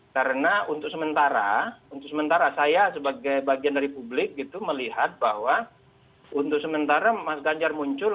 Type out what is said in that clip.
karena untuk sementara saya sebagai bagian dari publik itu melihat bahwa untuk sementara mas ganjar muncul